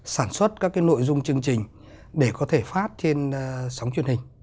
sản xuất các nội dung chương trình để có thể phát trên sóng truyền hình